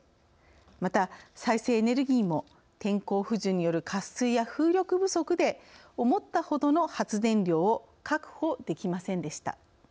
また再生エネルギーも天候不順による渇水や風力不足で思ったほどの発電量を確保できませんでした。